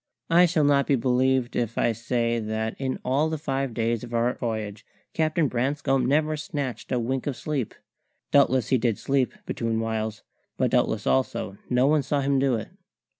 I shall not be believed if I say that in all the five days of our voyage Captain Branscome never snatched a wink of sleep. Doubtless he did sleep, between whiles; but doubtless also no one saw him do it.